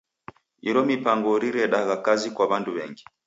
Iro mipango riredagha kazi kwa w'andu w'engi.